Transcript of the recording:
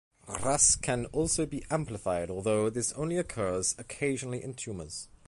Ras can also be amplified, although this only occurs occasionally in tumours.